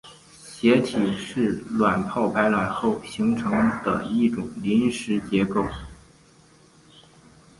血体是卵泡排卵后形成的一种临时结构。